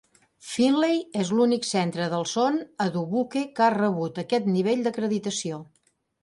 Finley és l'únic centre del son a Dubuque que ha rebut aquest nivell d'acreditació.